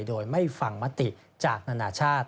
โดยไม่ฟังมติจากนานาชาติ